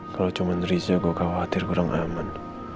kalau cuma risknya gue khawatir kurang aman